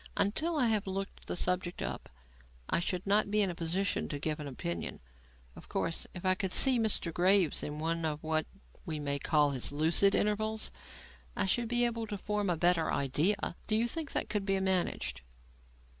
Until I have looked the subject up, I should not be in a position to give an opinion. Of course, if I could see Mr. Graves in one of what we may call his 'lucid intervals' I should be able to form a better idea. Do you think that could be managed?"